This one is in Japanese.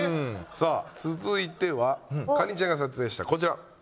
さぁ続いては夏鈴ちゃんが撮影したこちら。